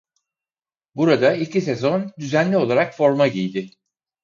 Burada iki sezon düzenli olarak forma giydi.